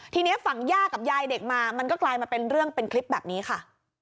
ทีนี้ฝั่งย่ากับยายเด็กมามันก็กลายมาเป็นเรื่องเป็นคลิปแบบนี้ค่ะ